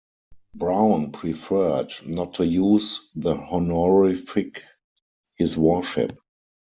Brown preferred not to use the honorific "His Worship".